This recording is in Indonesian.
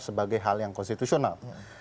sebagai hal yang konstitusional